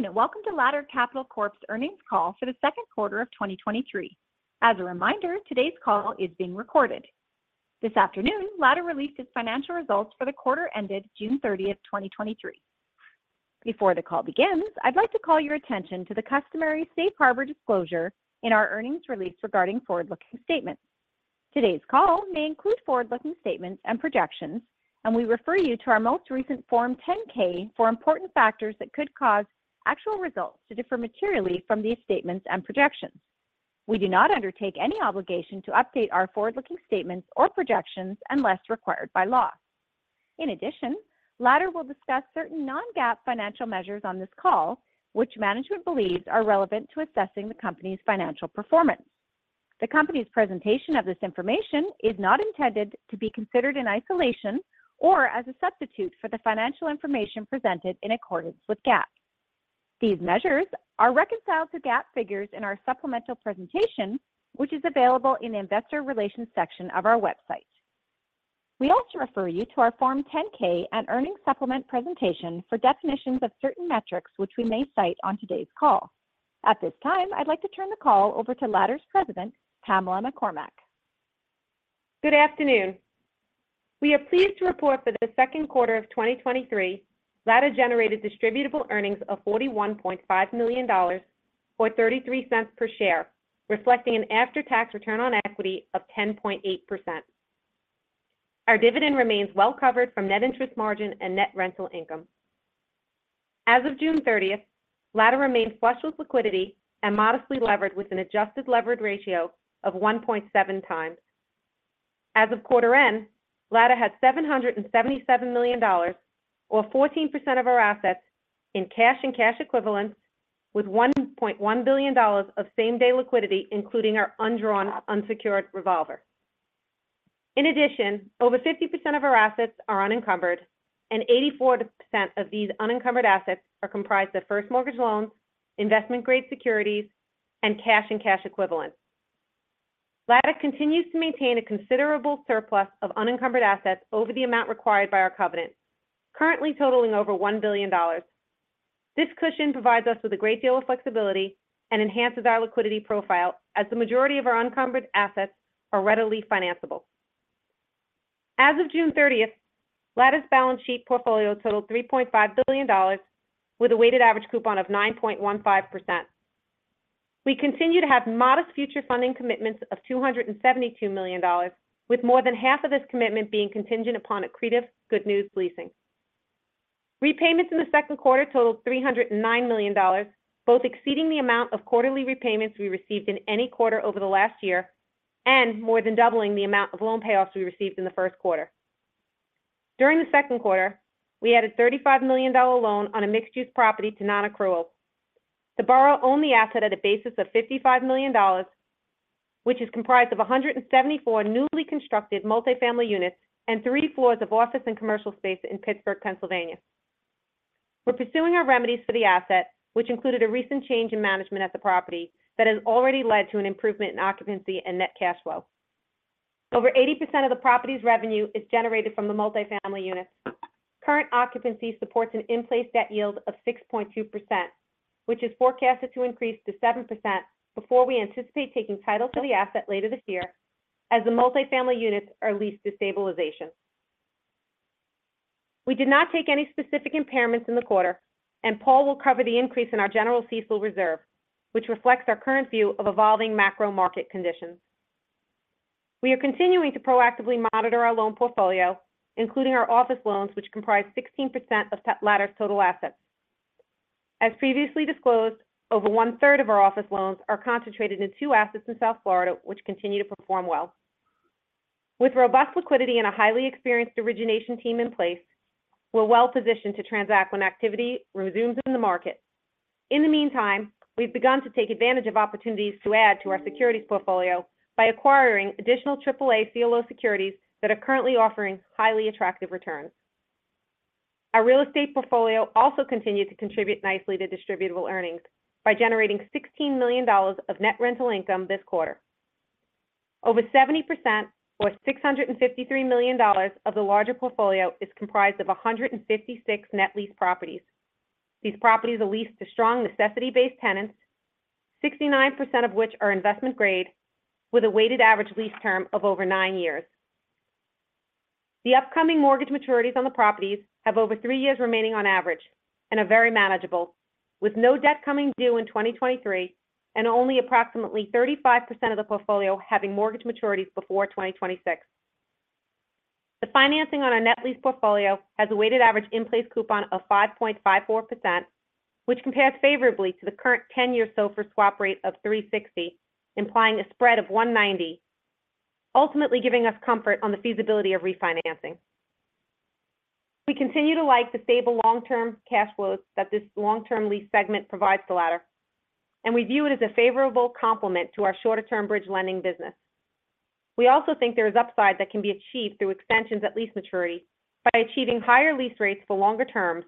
Good afternoon, and welcome to Ladder Capital Corp's Earnings call for the Second Quarter of 2023. As a reminder, today's call is being recorded. This afternoon, Ladder released its financial results for the quarter ended June 30th, 2023. Before the call begins, I'd like to call your attention to the customary safe harbor disclosure in our earnings release regarding forward-looking statements. Today's call may include forward-looking statements and projections, and we refer you to our most recent Form 10-K for important factors that could cause actual results to differ materially from these statements and projections. We do not undertake any obligation to update our forward-looking statements or projections unless required by law. In addition, Ladder will discuss certain non-GAAP financial measures on this call, which management believes are relevant to assessing the company's financial performance. The company's presentation of this information is not intended to be considered in isolation or as a substitute for the financial information presented in accordance with GAAP. These measures are reconciled to GAAP figures in our supplemental presentation, which is available in the Investor Relations section of our website. We also refer you to our Form 10-K and earnings supplement presentation for definitions of certain metrics which we may cite on today's call. At this time, I'd like to turn the call over to Ladder's President, Pamela McCormack. Good afternoon. We are pleased to report that the second quarter of 2023, Ladder generated distributable earnings of $41.5 million or $0.33 per share, reflecting an after-tax return on equity of 10.8%. Our dividend remains well covered from net interest margin and net rental income. As of June 30th, Ladder remains flush with liquidity and modestly levered with an adjusted leverage ratio of 1.7x. As of quarter end, Ladder had $777 million or 14% of our assets in cash and cash equivalents, with $1.1 billion of same-day liquidity, including our undrawn unsecured revolver. Over 50% of our assets are unencumbered, and 84% of these unencumbered assets are comprised of first mortgage loans, investment-grade securities, and cash and cash equivalents. Ladder continues to maintain a considerable surplus of unencumbered assets over the amount required by our covenant, currently totaling over $1 billion. This cushion provides us with a great deal of flexibility and enhances our liquidity profile as the majority of our unencumbered assets are readily financiable. As of June 30th, Ladder's balance sheet portfolio totaled $3.5 billion with a weighted average coupon of 9.15%. We continue to have modest future funding commitments of $272 million, with more than half of this commitment being contingent upon accretive good news leasing. Repayments in the second quarter totaled $309 million, both exceeding the amount of quarterly repayments we received in any quarter over the last year, and more than doubling the amount of loan payoffs we received in the first quarter. During the second quarter, we added a $35 million loan on a mixed-use property to non-accrual. The borrower owned the asset at a basis of $55 million, which is comprised of 174 newly constructed multifamily units and three floors of office and commercial space in Pittsburgh, Pennsylvania. We're pursuing our remedies for the asset, which included a recent change in management at the property that has already led to an improvement in occupancy and net cash flow. Over 80% of the property's revenue is generated from the multifamily units. Current occupancy supports an in-place debt yield of 6.2%, which is forecasted to increase to 7% before we anticipate taking title to the asset later this year, as the multifamily units are leased to stabilization. We did not take any specific impairments in the quarter, and Paul will cover the increase in our general CECL reserve, which reflects our current view of evolving macro market conditions. We are continuing to proactively monitor our loan portfolio, including our office loans, which comprise 16% of Ladder's total assets. As previously disclosed, over one-third of our office loans are concentrated in two assets in South Florida, which continue to perform well. With robust liquidity and a highly experienced origination team in place, we're well positioned to transact when activity resumes in the market. In the meantime, we've begun to take advantage of opportunities to add to our securities portfolio by acquiring additional AAA CLO securities that are currently offering highly attractive returns. Our real estate portfolio also continued to contribute nicely to distributable earnings by generating $16 million of net rental income this quarter. Over 70% or $653 million of the larger portfolio is comprised of 156 net lease properties. These properties are leased to strong necessity-based tenants, 69% of which are investment-grade, with a weighted average lease term of over 9 years. The upcoming mortgage maturities on the properties have over three years remaining on average and are very manageable, with no debt coming due in 2023 and only approximately 35% of the portfolio having mortgage maturities before 2026. The financing on our net lease portfolio has a weighted average in-place coupon of 5.54%, which compares favorably to the current 10-year SOFR swap rate of 3.60, implying a spread of 1.90, ultimately giving us comfort on the feasibility of refinancing. We continue to like the stable long-term cash flows that this long-term lease segment provides to Ladder, we view it as a favorable complement to our shorter-term bridge lending business. We also think there is upside that can be achieved through extensions at lease maturity by achieving higher lease rates for longer terms,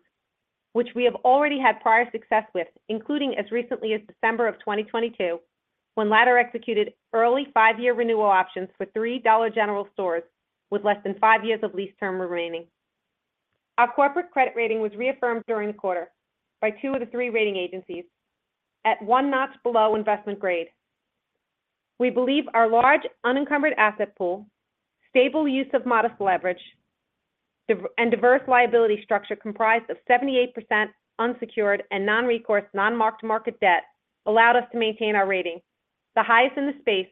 which we have already had prior success with, including as recently as December of 2022, when Ladder executed early 5-year renewal options for 3 Dollar General stores with less than 5 years of lease term remaining. Our corporate credit rating was reaffirmed during the quarter by two of the three rating agencies at one notch below investment grade. We believe our large unencumbered asset pool, stable use of modest leverage, and diverse liability structure comprised of 78% unsecured and non-recourse, non-mark-to-market debt, allowed us to maintain our rating, the highest in the space,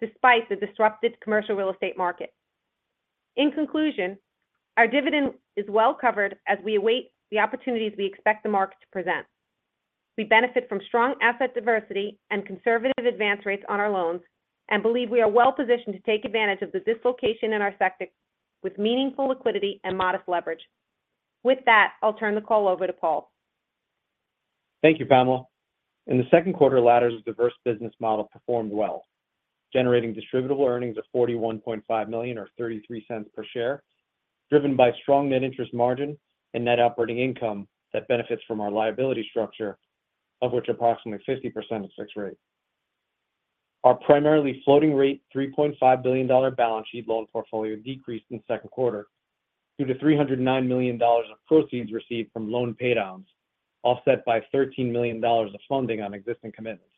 despite the disrupted commercial real estate market. In conclusion, our dividend is well covered as we await the opportunities we expect the market to present. We benefit from strong asset diversity and conservative advance rates on our loans and believe we are well positioned to take advantage of the dislocation in our sector with meaningful liquidity and modest leverage. With that, I'll turn the call over to Paul. Thank you, Pamela. In the second quarter, Ladder's diverse business model performed well, generating distributable earnings of $41.5 million or $0.33 per share, driven by strong net interest margin and net operating income that benefits from our liability structure, of which approximately 50% is fixed rate. Our primarily floating rate, $3.5 billion balance sheet loan portfolio decreased in the second quarter due to $309 million of proceeds received from loan paydowns, offset by $13 million of funding on existing commitments.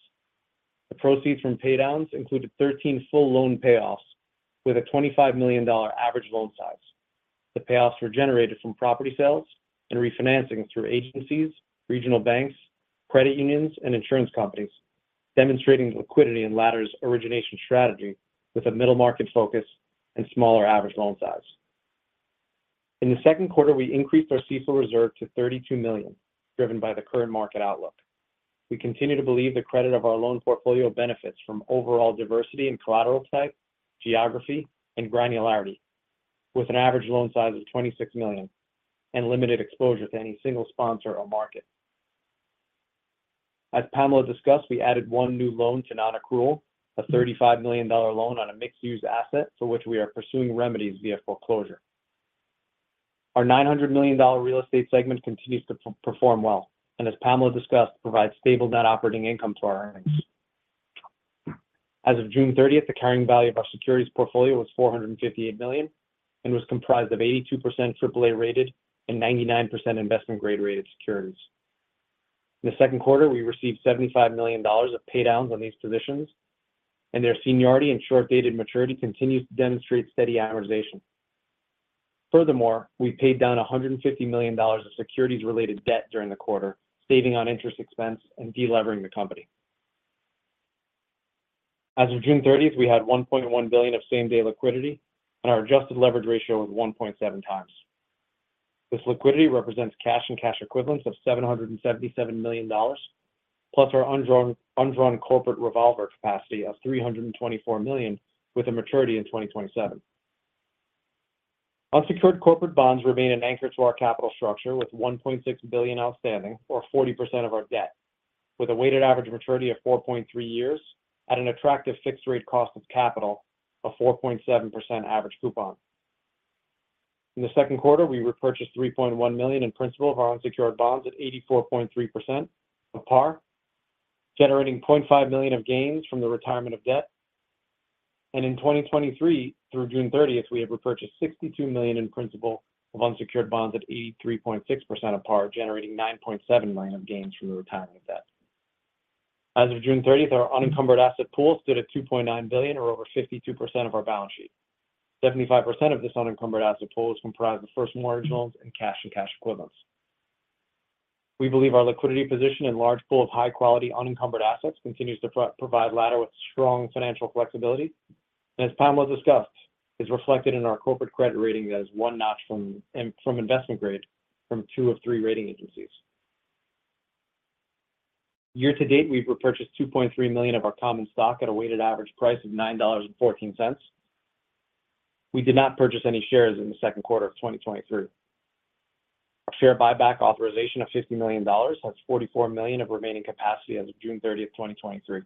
The proceeds from paydowns included 13 full loan payoffs with a $25 million average loan size. The payoffs were generated from property sales and refinancing through agencies, regional banks, credit unions, and insurance companies, demonstrating liquidity in Ladder's origination strategy with a middle-market focus and smaller average loan size. In the second quarter, we increased our CECL reserve to $32 million, driven by the current market outlook. We continue to believe the credit of our loan portfolio benefits from overall diversity in collateral type, geography, and granularity, with an average loan size of $26 million and limited exposure to any single sponsor or market. As Pamela discussed, we added 1 new loan to non-accrual, a $35 million loan on a mixed-use asset, for which we are pursuing remedies via foreclosure. Our $900 million real estate segment continues to perform well, and as Pamela discussed, provide stable net operating income to our earnings. As of June 30th, the carrying value of our securities portfolio was $458 million and was comprised of 82% AAA rated and 99% investment-grade rated securities. In the second quarter, we received $75 million of paydowns on these positions. Their seniority and short-dated maturity continues to demonstrate steady amortization. Furthermore, we paid down $150 million of securities-related debt during the quarter, saving on interest expense and de-levering the company. As of June 30th, we had $1.1 billion of same-day liquidity. Our adjusted leverage ratio was 1.7 times. This liquidity represents cash and cash equivalents of $777 million, plus our undrawn corporate revolver capacity of $324 million with a maturity in 2027. Unsecured corporate bonds remain an anchor to our capital structure, with $1.6 billion outstanding or 40% of our debt, with a weighted average maturity of 4.3 years at an attractive fixed rate cost of capital of 4.7% average coupon. In the second quarter, we repurchased $3.1 million in principal of our unsecured bonds at 84.3% of par, generating $0.5 million of gains from the retirement of debt. In 2023, through June 30th, we have repurchased $62 million in principal of unsecured bonds at 83.6% of par, generating $9.7 million of gains from the retirement of debt. As of June 30th, our unencumbered asset pool stood at $2.9 billion, or over 52% of our balance sheet. 75% of this unencumbered asset pool is comprised of first mortgages and cash and cash equivalents. We believe our liquidity position and large pool of high-quality, unencumbered assets continues to provide Ladder with strong financial flexibility, and as Pamela discussed, is reflected in our corporate credit rating as one notch from investment-grade from two of three rating agencies. Year to date, we've repurchased $2.3 million of our common stock at a weighted average price of $9.14. We did not purchase any shares in the second quarter of 2023. Our share buyback authorization of $50 million has $44 million of remaining capacity as of June 30th, 2023.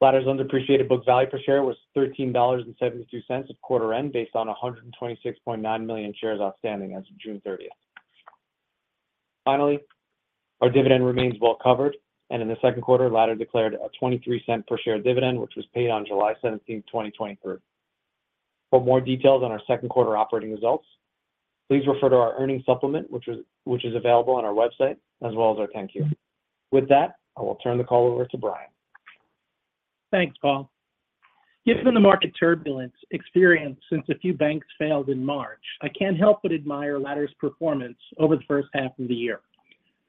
Ladder's undepreciated book value per share was $13.72 at quarter end, based on 126.9 million shares outstanding as of June 30th. Finally, our dividend remains well covered, and in the second quarter, Ladder declared a $0.23 per share dividend, which was paid on July 17th, 2023. For more details on our second quarter operating results, please refer to our earnings supplement, which is available on our website, as well as our 10-Q. With that, I will turn the call over to Brian. Thanks, Paul. Given the market turbulence experienced since a few banks failed in March, I can't help but admire Ladder's performance over the first half of the year.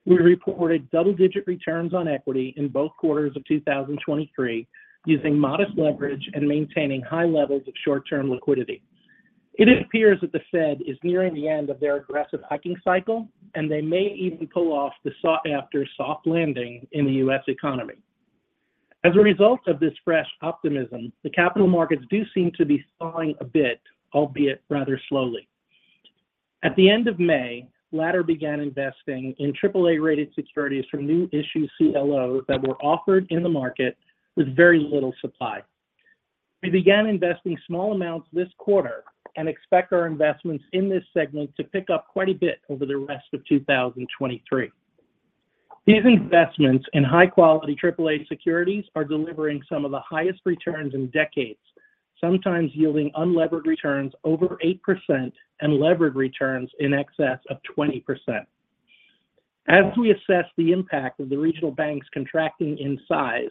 We reported double-digit returns on equity in both quarters of 2023, using modest leverage and maintaining high levels of short-term liquidity. It appears that the Fed is nearing the end of their aggressive hiking cycle, and they may even pull off the sought-after soft landing in the U.S. economy. As a result of this fresh optimism, the capital markets do seem to be stalling a bit, albeit rather slowly. At the end of May, Ladder began investing in AAA-rated securities from new issue CLOs that were offered in the market with very little supply. We began investing small amounts this quarter and expect our investments in this segment to pick up quite a bit over the rest of 2023. These investments in high-quality AAA securities are delivering some of the highest returns in decades, sometimes yielding unlevered returns over 8% and levered returns in excess of 20%. As we assess the impact of the regional banks contracting in size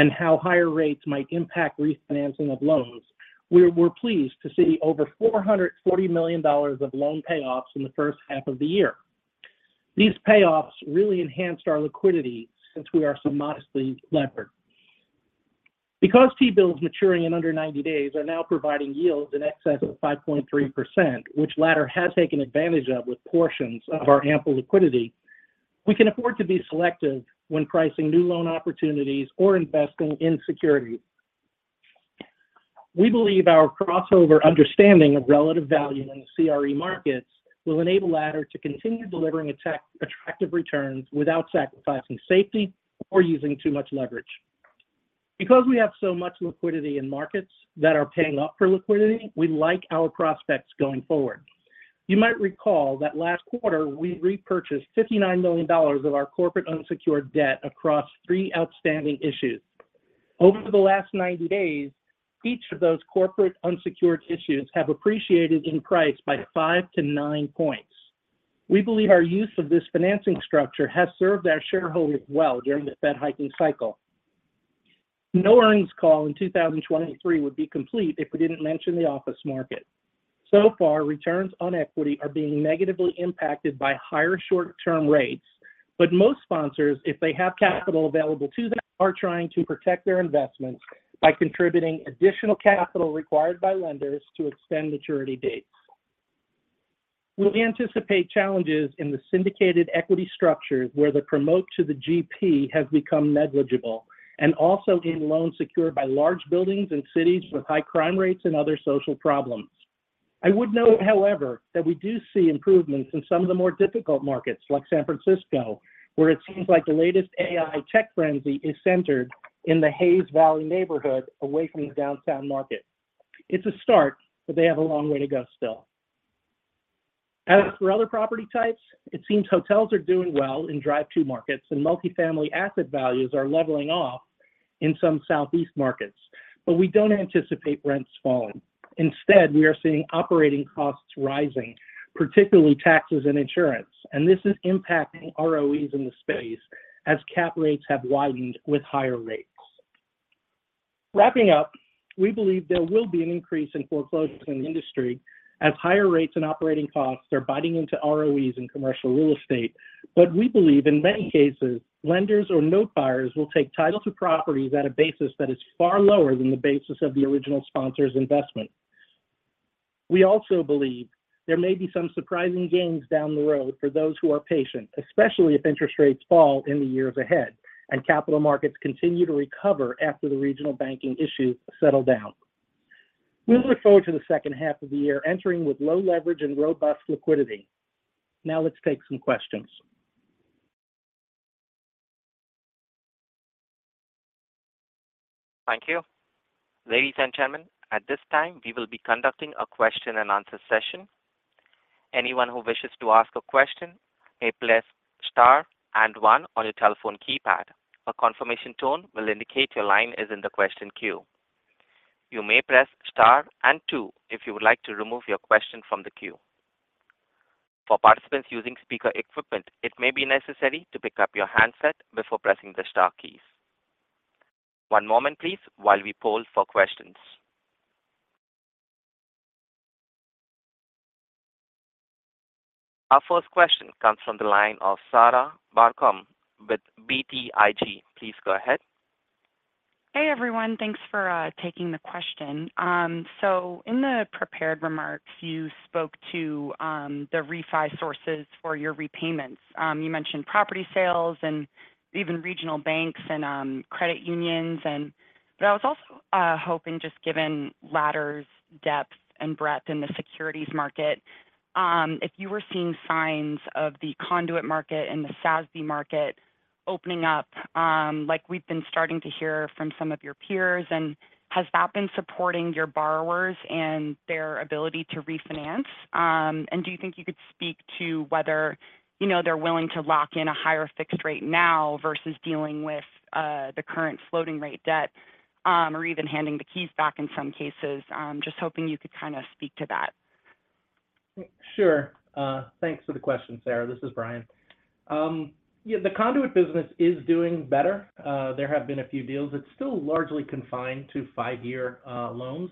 and how higher rates might impact refinancing of loans, we're pleased to see over $440 million of loan payoffs in the first half of the year. These payoffs really enhanced our liquidity since we are so modestly levered. T-bills maturing in under 90 days are now providing yields in excess of 5.3%, which Ladder has taken advantage of with portions of our ample liquidity, we can afford to be selective when pricing new loan opportunities or investing in securities. We believe our crossover understanding of relative value in the CRE markets will enable Ladder to continue delivering attractive returns without sacrificing safety or using too much leverage. We have so much liquidity in markets that are paying up for liquidity, we like our prospects going forward. You might recall that last quarter, we repurchased $59 million of our corporate unsecured debt across three outstanding issues. Over the last 90 days, each of those corporate unsecured issues have appreciated in price by 5-9 points. We believe our use of this financing structure has served our shareholders well during the Fed hiking cycle. No earnings call in 2023 would be complete if we didn't mention the office market. So far, returns on equity are being negatively impacted by higher short-term rates. Most sponsors, if they have capital available to them, are trying to protect their investments by contributing additional capital required by lenders to extend maturity dates. We anticipate challenges in the syndicated equity structures where the promote to the GP has become negligible, and also in loans secured by large buildings and cities with high crime rates and other social problems. I would note, however, that we do see improvements in some of the more difficult markets, like San Francisco, where it seems like the latest AI tech frenzy is centered in the Hayes Valley neighborhood away from the downtown market. It's a start, they have a long way to go still. As for other property types, it seems hotels are doing well in drive-to markets, and multifamily asset values are leveling off in some Southeast markets. We don't anticipate rents falling. Instead, we are seeing operating costs rising, particularly taxes and insurance, and this is impacting ROEs in the space as cap rates have widened with higher rates. Wrapping up, we believe there will be an increase in foreclosures in the industry as higher rates and operating costs are biting into ROEs in commercial real estate. We believe in many cases, lenders or note buyers will take title to properties at a basis that is far lower than the basis of the original sponsor's investment. We also believe there may be some surprising gains down the road for those who are patient, especially if interest rates fall in the years ahead and capital markets continue to recover after the regional banking issues settle down. We look forward to the second half of the year entering with low leverage and robust liquidity. Let's take some questions. Thank you. Ladies and gentlemen, at this time, we will be conducting a question and answer session. Anyone who wishes to ask a question may press star and One on your telephone keypad. A confirmation tone will indicate your line is in the question queue. You may press star and Two if you would like to remove your question from the queue. For participants using speaker equipment, it may be necessary to pick up your handset before pressing the star keys. One moment, please, while we poll for questions. Our first question comes from the line of Tom Catherwood with BTIG. Please go ahead. Hey, everyone. Thanks for taking the question. In the prepared remarks, you spoke to the refi sources for your repayments. You mentioned property sales and even regional banks and credit unions and... I was also hoping, just given Ladder's depth and breadth in the securities market, if you were seeing signs of the conduit market and the SASB market opening up, like we've been starting to hear from some of your peers, and has that been supporting your borrowers and their ability to refinance? Do you think you could speak to whether, you know, they're willing to lock in a higher fixed rate now versus dealing with the current floating rate debt, or even handing the keys back in some cases? Just hoping you could kind of speak to that. Sure. Thanks for the question, Sarah. This is Brian. Yeah, the conduit business is doing better. There have been a few deals. It's still largely confined to 5-year loans.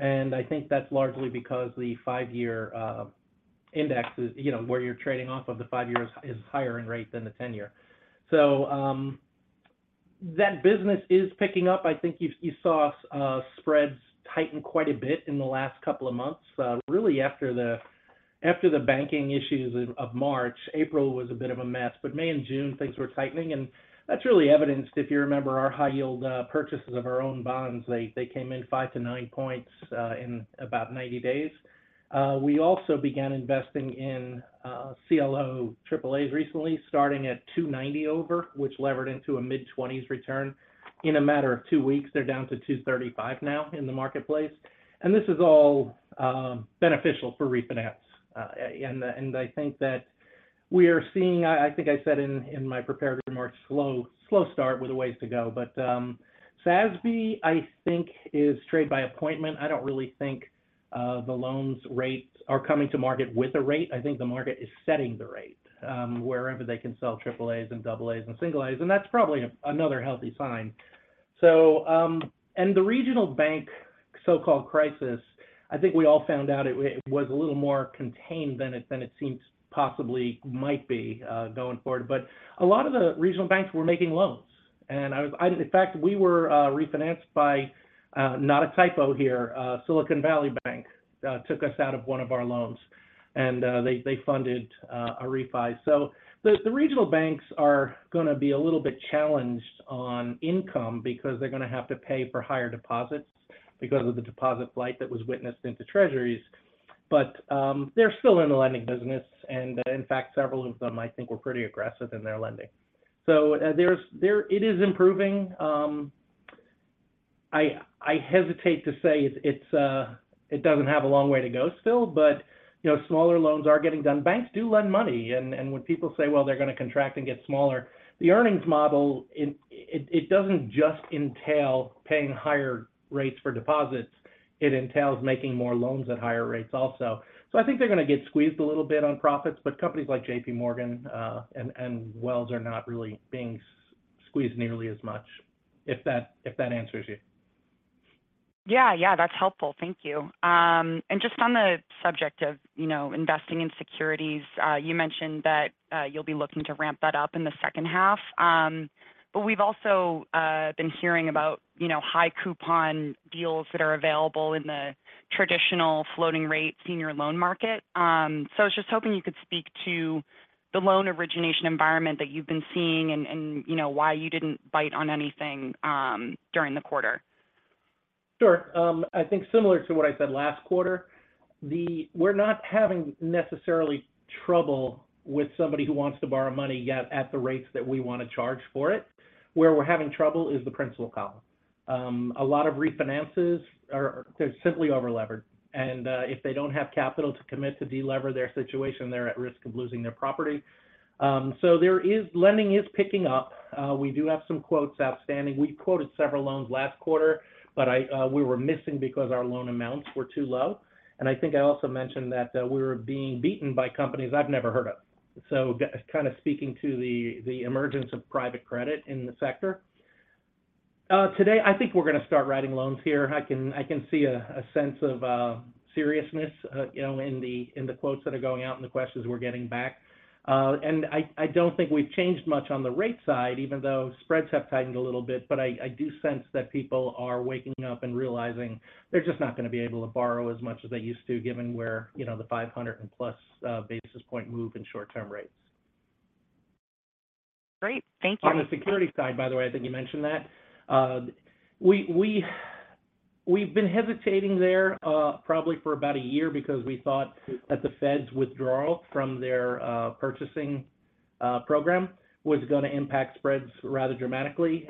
I think that's largely because the five year index is, you know, where you're trading off of the five years is higher in rate than the 10-year. That business is picking up. I think you saw spreads tighten quite a bit in the last couple of months. Really after the banking issues of March, April was a bit of a mess. May and June, things were tightening. That's really evidenced, if you remember, our high yield purchases of our own bonds. They came in 5 to 9 points in about 90 days. We also began investing in CLO AAAs recently, starting at 290 over, which levered into a mid-20s return. In a matter of two weeks, they're down to 235 now in the marketplace, this is all beneficial for refinance. I think we are seeing, I think I said in my prepared remarks, slow start with a ways to go. SASB, I think, is trade by appointment. I don't really think the loans rates are coming to market with a rate. I think the market is setting the rate wherever they can sell AAAs and AAs and single As, that's probably another healthy sign. And the regional bank, so-called crisis, I think we all found out it was a little more contained than it, than it seemed, possibly might be going forward. A lot of the regional banks were making loans, and in fact, we were refinanced by, not a typo here, Silicon Valley Bank, took us out of one of our loans, and they funded a refi. The regional banks are going to be a little bit challenged on income because they're going to have to pay for higher deposits because of the deposit flight that was witnessed into Treasuries. They're still in the lending business, and in fact, several of them, I think, were pretty aggressive in their lending. It is improving. I hesitate to say it's, it doesn't have a long way to go still, but, you know, smaller loans are getting done. Banks do lend money, and when people say, well, they're going to contract and get smaller, the earnings model, it doesn't just entail paying higher rates for deposits, it entails making more loans at higher rates also. I think they're going to get squeezed a little bit on profits, but companies like JPMorgan, and Wells are not really being squeezed nearly as much, if that, if that answers you. Yeah, yeah, that's helpful. Thank you. Just on the subject of, you know, investing in securities, you mentioned that you'll be looking to ramp that up in the second half. We've also been hearing about, you know, high coupon deals that are available in the traditional floating rate senior loan market. I was just hoping you could speak to the loan origination environment that you've been seeing and you know, why you didn't bite on anything during the quarter? Sure. I think similar to what I said last quarter, we're not having necessarily trouble with somebody who wants to borrow money yet at the rates that we want to charge for it. Where we're having trouble is the principal column. A lot of refinances they're simply overlevered, and if they don't have capital to commit to delever their situation, they're at risk of losing their property. Lending is picking up. We do have some quotes outstanding. We quoted several loans last quarter, but I, we were missing because our loan amounts were too low. I think I also mentioned that, we were being beaten by companies I've never heard of. kind of speaking to the emergence of private credit in the sector. Today, I think we're going to start writing loans here. I can see a sense of seriousness, you know, in the quotes that are going out and the questions we're getting back. I don't think we've changed much on the rate side, even though spreads have tightened a little bit, but I do sense that people are waking up and realizing they're just not going to be able to borrow as much as they used to, given where, you know, the 500 and plus basis point move in short-term rates. Great. Thank you. On the security side, by the way, I think you mentioned that. We've been hesitating there, probably for about one year because we thought that the Fed's withdrawal from their purchasing program was going to impact spreads rather dramatically.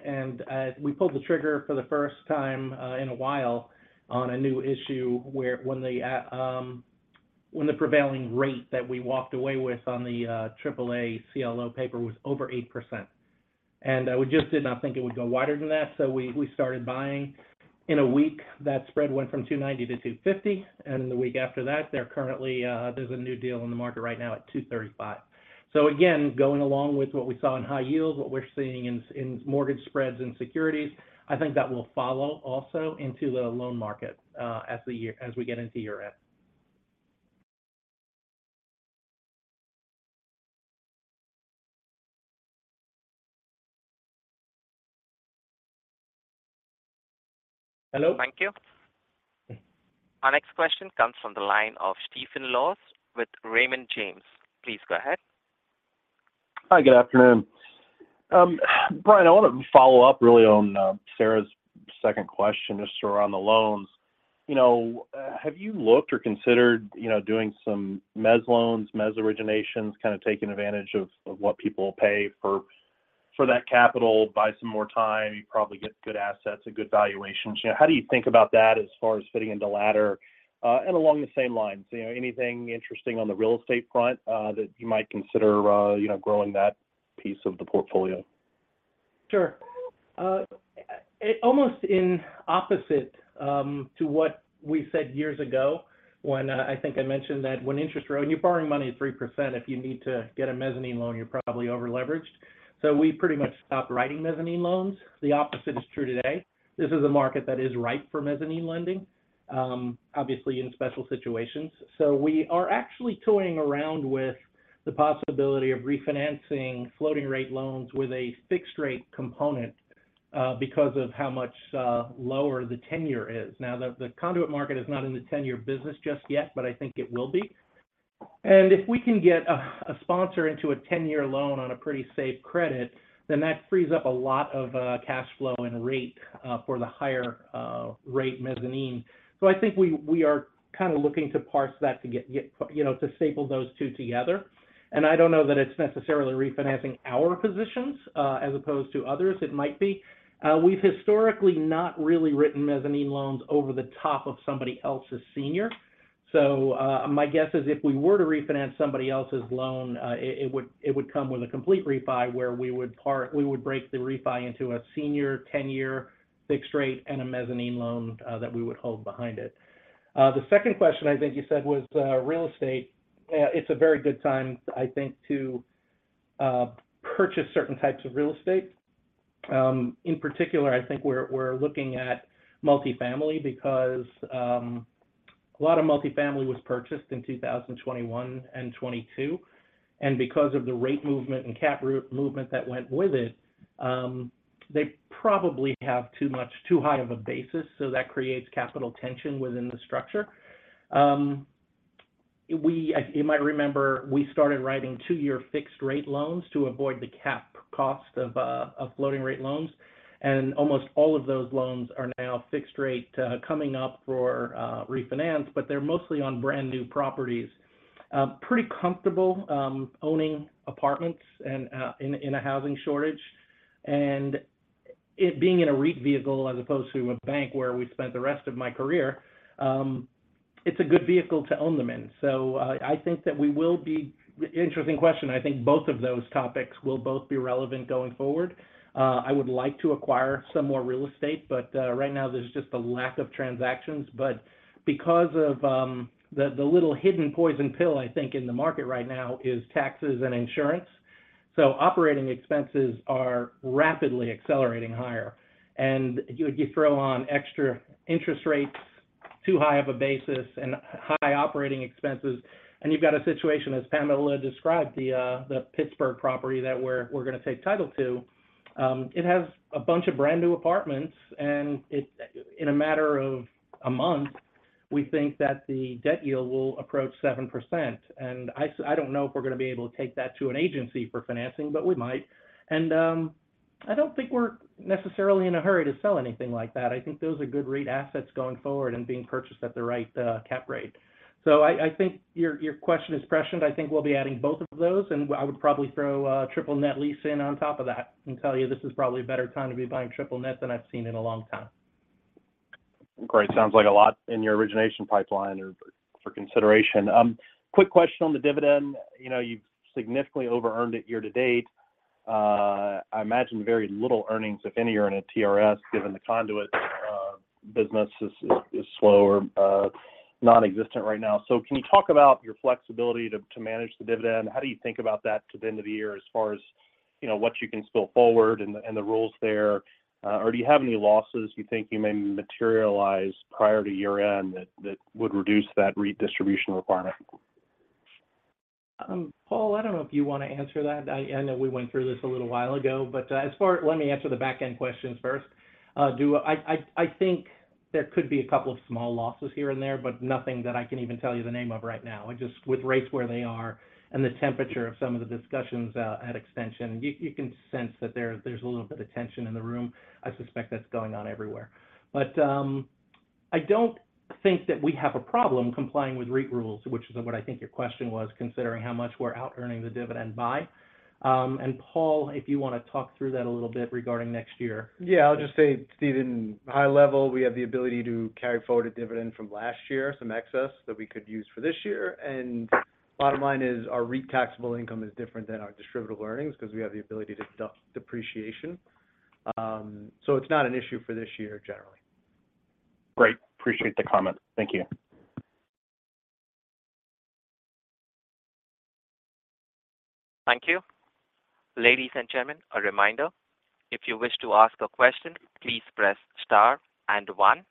We pulled the trigger for the first time in a while on a new issue where when the prevailing rate that we walked away with on the AAA CLO paper was over 8%. We just did not think it would go wider than that, so we started buying. In one week, that spread went from 290-250, and the week after that, there currently, there's a new deal on the market right now at 235. Again, going along with what we saw in high yields, what we're seeing in mortgage spreads and securities, I think that will follow also into the loan market, as the year, as we get into year-end. Hello? Thank you. Our next question comes from the line of Stephen Laws with Raymond James. Please go ahead. Hi, good afternoon. Brian, I want to follow up really on Sarah's second question, just around the loans. You know, have you looked or considered, you know, doing some mezz loans, mezz originations, kind of taking advantage of what people will pay for that capital, buy some more time, you probably get good assets and good valuations? How do you think about that as far as fitting into Ladder? Along the same lines, you know, anything interesting on the real estate front, that you might consider, you know, growing that piece of the portfolio? Sure. Almost in opposite to what we said years ago, when I think I mentioned that when you're borrowing money at 3%, if you need to get a mezzanine loan, you're probably overleveraged. We pretty much stopped writing mezzanine loans. The opposite is true today. This is a market that is ripe for mezzanine lending, obviously, in special situations. We are actually toying around with the possibility of refinancing floating-rate loans with a fixed-rate component, because of how much lower the tenure is. Now, the conduit market is not in the 10-year business just yet, but I think it will be. If we can get a sponsor into a 10-year loan on a pretty safe credit, then that frees up a lot of cash flow and rate for the higher rate mezzanine. I think we are kind of looking to parse that, to get, you know, to staple those two together. I don't know that it's necessarily refinancing our positions, as opposed to others it might be. We've historically not really written mezzanine loans over the top of somebody else's senior. My guess is if we were to refinance somebody else's loan, it would come with a complete refi, where we would break the refi into a senior 10-year fixed rate and a mezzanine loan, that we would hold behind it. The second question I think you said was real estate. It's a very good time, I think, to purchase certain types of real estate. In particular, I think we're looking at multifamily because a lot of multifamily was purchased in 2021 and 2022, and because of the rate movement and cap movement that went with it, they probably have too much, too high of a basis. That creates capital tension within the structure. You might remember, we started writing two-year fixed rate loans to avoid the cap cost of floating rate loans. Almost all of those loans are now fixed rate coming up for refinance. They're mostly on brand-new properties. Pretty comfortable owning apartments and in a housing shortage. It being in a REIT vehicle, as opposed to a bank where we spent the rest of my career, it's a good vehicle to own them in. Interesting question. I think both of those topics will both be relevant going forward. I would like to acquire some more real estate, right now there's just a lack of transactions. Because of the little hidden poison pill, I think, in the market right now is taxes and insurance. Operating expenses are rapidly accelerating higher, and you throw on extra interest rates, too high of a basis and high operating expenses, and you've got a situation, as Pamela described, the Pittsburgh property that we're going to take title to. It has a bunch of brand-new apartments, and in a matter of a month, we think that the debt yield will approach 7%. I don't know if we're going to be able to take that to an agency for financing, but we might. I don't think we're necessarily in a hurry to sell anything like that. I think those are good REIT assets going forward and being purchased at the right cap rate. I think your question is prescient. I think we'll be adding both of those, and I would probably throw a triple net lease in on top of that and tell you this is probably a better time to be buying triple net than I've seen in a long time. Great. Sounds like a lot in your origination pipeline or for consideration. Quick question on the dividend. You know, you've significantly overearned it year to date. I imagine very little earnings, if any, are in a TRS, given the conduit business is slow or nonexistent right now. Can you talk about your flexibility to manage the dividend? How do you think about that to the end of the year as far as, you know, what you can spill forward and the rules there? Or do you have any losses you think you may materialize prior to year-end that would reduce that REIT distribution requirement? Paul, I don't know if you want to answer that. I know we went through this a little while ago, but, let me answer the back-end questions first. I think there could be a couple of small losses here and there, but nothing that I can even tell you the name of right now. Just with rates where they are and the temperature of some of the discussions, at Extension, you can sense that there's a little bit of tension in the room. I suspect that's going on everywhere. I don't think that we have a problem complying with REIT rules, which is what I think your question was, considering how much we're outearning the dividend by. Paul, if you want to talk through that a little bit regarding next year. Yeah, I'll just say, Steven, high level, we have the ability to carry forward a dividend from last year, some excess that we could use for this year. Bottom line is our REIT taxable income is different than our distributable earnings because we have the ability to deduct depreciation. It's not an issue for this year generally. Great. Appreciate the comment. Thank you. Thank you. Ladies and gentlemen, a reminder. If you wish to ask a question, please press Star and One.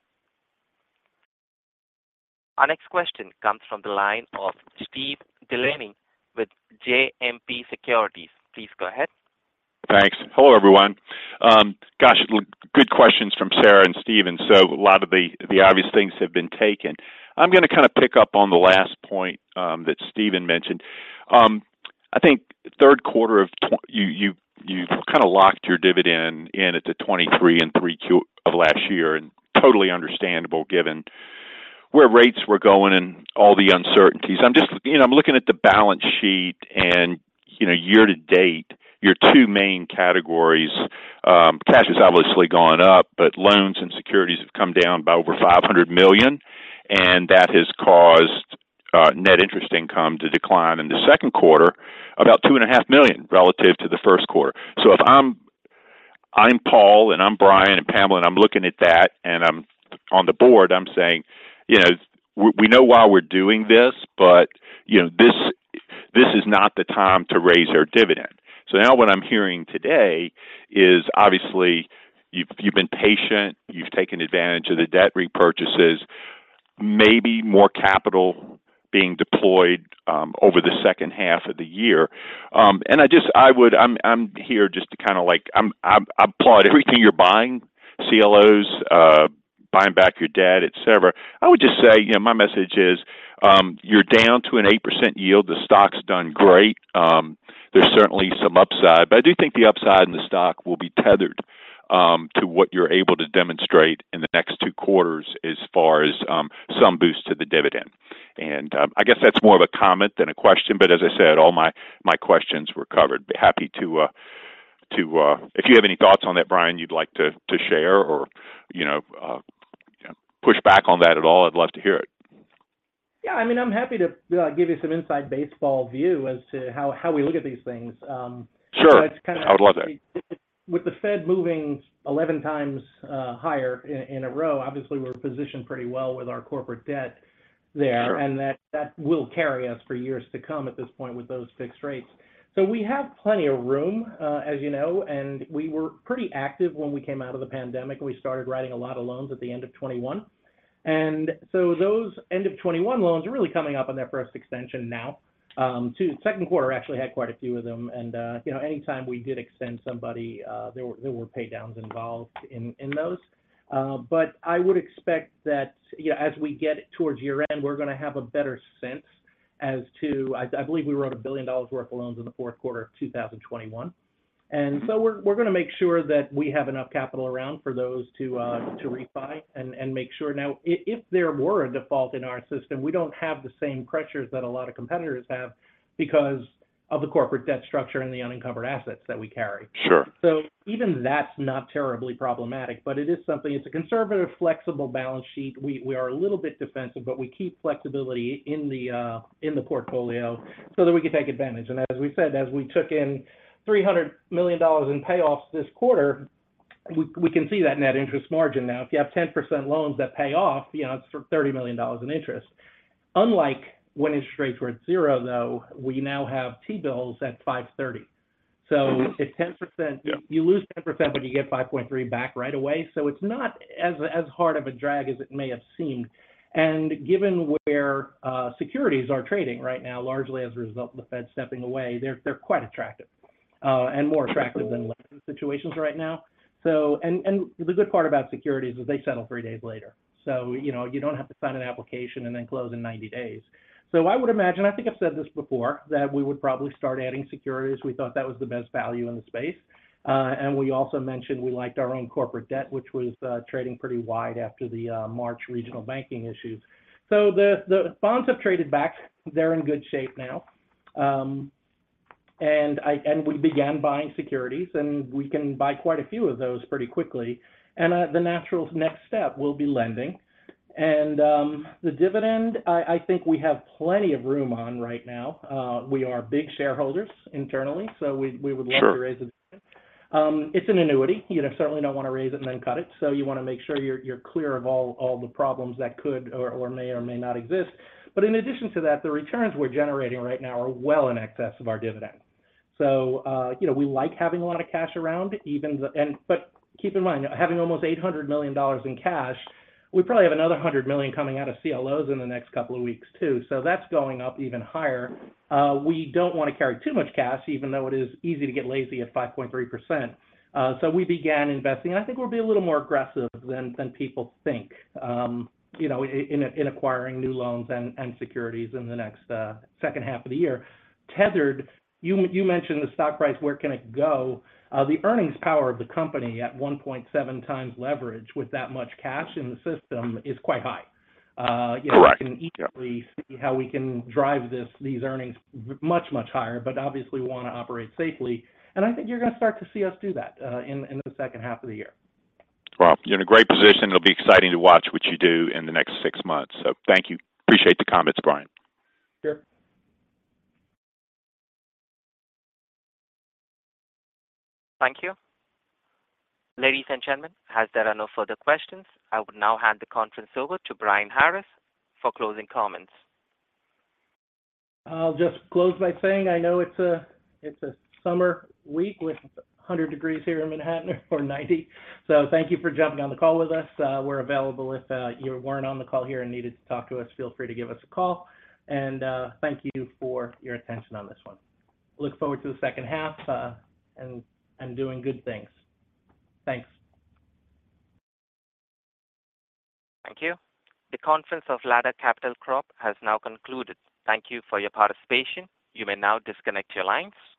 Our next question comes from the line of Steven DeLaney with JMP Securities. Please go ahead. Thanks. Hello, everyone. Gosh, good questions from Sarah and Steven. A lot of the obvious things have been taken. I'm going to kind of pick up on the last point that Steven mentioned. I think you've kind of locked your dividend in at the 23 and 3Q of last year, totally understandable given where rates were going and all the uncertainties. I'm just, you know, I'm looking at the balance sheet, you know, year to date, your two main categories, cash has obviously gone up, but loans and securities have come down by over $500 million, that has caused net interest income to decline in the second quarter, about $2.5 million relative to the first quarter. If I'm Paul, and I'm Brian and Pamela, and I'm looking at that, and I'm on the board, I'm saying: "You know, we know why we're doing this, but, you know, this is not the time to raise our dividend." Now what I'm hearing today is, obviously, you've been patient, you've taken advantage of the debt repurchases, maybe more capital being deployed over the second half of the year. I'm here just to kind of like I applaud everything you're buying, CLOs, buying back your debt, et cetera. I would just say, you know, my message is, you're down to an 8% yield. The stock's done great. There's certainly some upside, but I do think the upside in the stock will be tethered to what you're able to demonstrate in the next quarters as far as some boost to the dividend. I guess that's more of a comment than a question, but as I said, all my questions were covered. Happy to, if you have any thoughts on that, Brian, you'd like to share or, you know, push back on that at all, I'd love to hear it. Yeah, I mean, I'm happy to, give you some inside baseball view as to how we look at these things. Sure. It's. I would love that. With the Fed moving 11 times, higher in a row. Obviously, we're positioned pretty well with our corporate debt there... Sure. That will carry us for years to come at this point with those fixed rates. We have plenty of room, as you know, and we were pretty active when we came out of the pandemic. We started writing a lot of loans at the end of 2021, and so those end of 2021 loans are really coming up on their first extension now. Second quarter actually had quite a few of them, and, you know, anytime we did extend somebody, there were pay downs involved in those. I would expect that, you know, as we get towards year-end, we're gonna have a better sense as to... I believe we wrote $1 billion worth of loans in the fourth quarter of 2021. Mm-hmm. We're gonna make sure that we have enough capital around for those to refi and make sure. Now, if there were a default in our system, we don't have the same pressures that a lot of competitors have, because of the corporate debt structure and the unencumbered assets that we carry. Sure. Even that's not terribly problematic, but it is something. It's a conservative, flexible balance sheet. We are a little bit defensive, but we keep flexibility in the portfolio so that we can take advantage. As we said, as we took in $300 million in payoffs this quarter, we can see that net interest margin. If you have 10% loans that pay off, you know, that's for $30 million in interest. Unlike when interest rates were at 0, though, we now have T-bills at 5.30. Mm-hmm. at 10% Yeah. You lose 10%, but you get 5.3 back right away, so it's not as hard of a drag as it may have seemed. Given where securities are trading right now, largely as a result of the Fed stepping away, they're quite attractive. Mm-hmm. than lending situations right now. The good part about securities is they settle 3 days later. You know, you don't have to sign an application and then close in 90 days. I would imagine, I think I've said this before, that we would probably start adding securities. We thought that was the best value in the space. We also mentioned we liked our own corporate debt, which was trading pretty wide after the March regional banking issues. The bonds have traded back. They're in good shape now. We began buying securities, and we can buy quite a few of those pretty quickly. The natural next step will be lending. The dividend, I think we have plenty of room on right now. We are big shareholders internally, so we. Sure. to raise it. It's an annuity. You know, certainly don't want to raise it and then cut it, so you wanna make sure you're clear of all the problems that could or may or may not exist. In addition to that, the returns we're generating right now are well in excess of our dividend. You know, we like having a lot of cash around, but keep in mind, having almost $800 million in cash, we probably have another $100 million coming out of CLOs in the next couple of weeks, too, so that's going up even higher. We don't want to carry too much cash, even though it is easy to get lazy at 5.3%. We began investing, and I think we'll be a little more aggressive than people think, you know, in acquiring new loans and securities in the next second half of the year. Tethered, you mentioned the stock price, where can it go? The earnings power of the company at 1.7x leverage with that much cash in the system is quite high. You know. Correct. We can easily see how we can drive these earnings much higher. Obviously, we want to operate safely, and I think you're gonna start to see us do that, in the second half of the year. Well, you're in a great position. It'll be exciting to watch what you do in the next six months. Thank you. Appreciate the comments, Brian. Sure. Thank you. Ladies and gentlemen, as there are no further questions, I would now hand the conference over to Brian Harris for closing comments. I'll just close by saying I know it's a summer week with 100 degrees here in Manhattan, or 90. Thank you for jumping on the call with us. We're available if you weren't on the call here and needed to talk to us, feel free to give us a call, and thank you for your attention on this one. Look forward to the second half and doing good things. Thanks. Thank you. The conference of Ladder Capital Corp has now concluded. Thank you for your participation. You may now disconnect your lines.